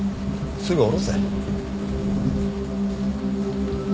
すぐ堕ろせ。